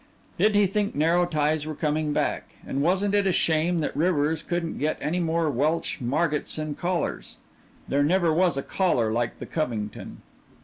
Did he think narrow ties were coming back? And wasn't it a shame that Rivers couldn't get any more Welsh Margotson collars? There never was a collar like the "Covington."